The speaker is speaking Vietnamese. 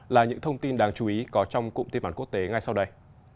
là những thông tin đáng chú ý có trong cụm tin bản quốc tế ngay sau đây